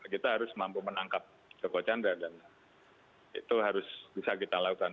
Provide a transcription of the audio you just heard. kita harus mampu menangkap joko chandra dan itu harus bisa kita lakukan